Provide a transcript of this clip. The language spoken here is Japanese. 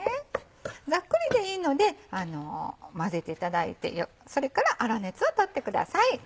ザックリでいいので混ぜていただいてそれから粗熱を取ってください。